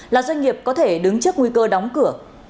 là doanh nghiệp có thể đứng trước nguy cơ đóng cửa